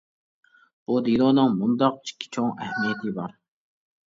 بۇ دېلونىڭ مۇنداق ئىككى چوڭ ئەھمىيىتى بار.